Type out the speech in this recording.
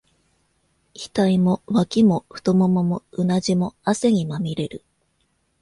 額も、脇も、太腿も、うなじも、汗にまみれる。